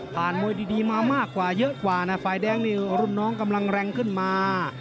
พายแดงกำลังแรงมากขึ้นมา